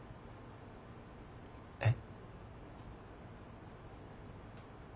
えっ？